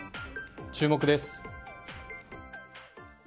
注目です。